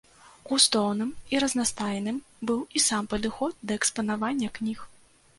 Густоўным і разнастайным быў і сам падыход да экспанавання кніг.